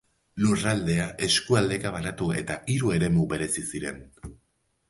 Lurraldea eskualdeka banatu eta hiru eremu berezi ziren.